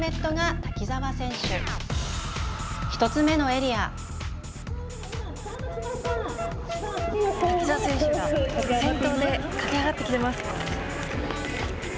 滝澤選手が先頭で駆け上がってきています。